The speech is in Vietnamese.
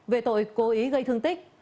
về tội cố ý gây thương tích